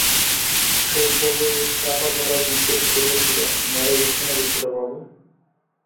সে সভয়ে চাপা গলায় জিজ্ঞাসা করিয়াছিল, মরে গেছে নাকি ছোটবাবু?